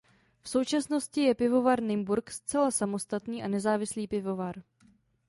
V současnosti je Pivovar Nymburk zcela samostatný a nezávislý pivovar.